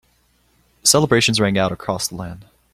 Celebrations rang out across the land.